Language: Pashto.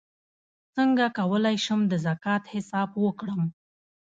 څنګه کولی شم د زکات حساب وکړم